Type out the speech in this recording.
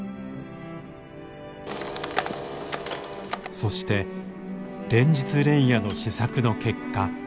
そして連日連夜の試作の結果。